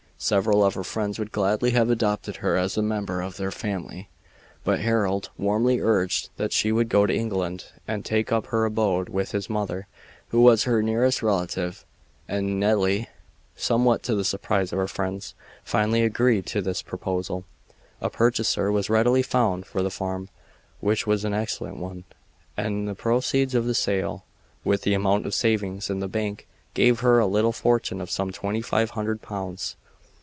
Several of her friends would gladly have adopted her as a member of their family, but Harold warmly urged that she should go to England and take up her abode with his mother, who was her nearest relative, and Nelly, somewhat to the surprise of her friends, finally agreed to this proposal. A purchaser was readily found for the farm, which was an excellent one, and the proceeds of the sale, with the amount of savings in the bank, gave her a little fortune of some twenty five hundred pounds.